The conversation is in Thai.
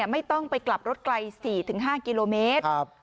ไม่ต้องไปกลับรถไกล๔๕กิโลเมตร